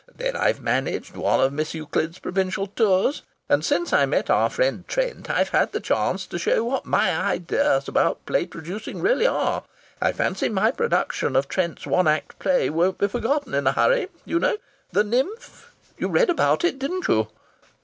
Then I've managed one of Miss Euclid's provincial tours. And since I met our friend Trent I've had the chance to show what my ideas about play producing really are. I fancy my production of Trent's one act play won't be forgotten in a hurry.... You know 'The Nymph'? You read about it, didn't you?"